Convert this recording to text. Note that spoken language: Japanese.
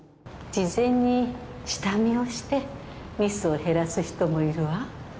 事前に下見をしてミスを減らす人もいるわ